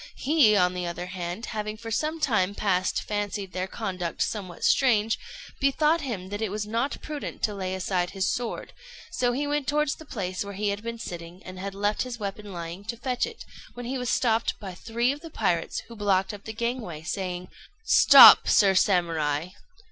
He, on the other hand, having for some time past fancied their conduct somewhat strange, bethought him that it was not prudent to lay aside his sword, so he went towards the place where he had been sitting, and had left his weapon lying, to fetch it, when he was stopped by three of the pirates, who blocked up the gangway, saying "Stop, Sir Samurai!